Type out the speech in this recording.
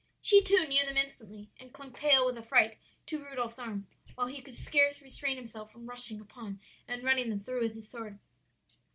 "She too knew them instantly, and clung pale with affright to Rudolph's arm, while he could scarce restrain himself from rushing upon, and running them through with his sword.